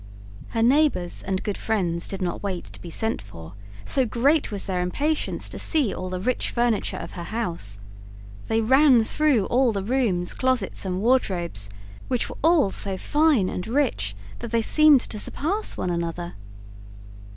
Her neighbors and good friends did not wait to be sent for, so great was their impatience to see all the rich furniture of her house. They ran through all the rooms, closets, and wardrobes, which were all so fine and rich that they seemed to surpass one another.